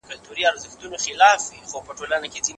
ساینسي پرمختګ په څېړنه کې نوي امکانات پیدا کړل.